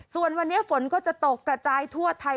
ส่วนวันนี้ฝนก็จะตกกระจายทั่วไทย